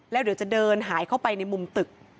แล้วเดี๋ยวจะเดินหายเข้าไปในมุมตึก